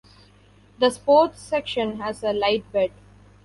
The sports section has a light bed.